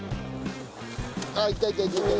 あっいったいったいった。